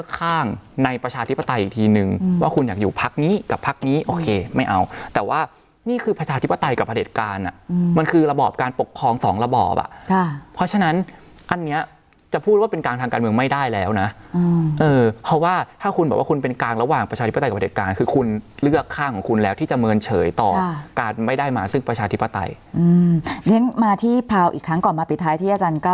กับภาคนี้โอเคไม่เอาแต่ว่านี่คือประชาธิปไตยกับประเด็ดการมันคือระบอบการปกครองสองระบอบเพราะฉะนั้นอันเนี้ยจะพูดว่าเป็นกลางทางการเมืองไม่ได้แล้วนะเออเพราะว่าถ้าคุณบอกว่าคุณเป็นกลางระหว่างประชาธิปไตยกับประเด็ดการคือคุณเลือกค่าของคุณแล้วที่จะเมินเฉยต่อการไม่ได้มาซึ่งประชาธิปไต